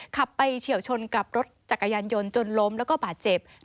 ขับไปเฉียวชนกับรถจักรยานยนต์จนล้มแล้วก็บาดเจ็บ